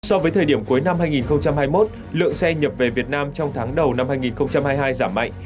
so với thời điểm cuối năm hai nghìn hai mươi một lượng xe nhập về việt nam trong tháng đầu năm hai nghìn hai mươi hai giảm mạnh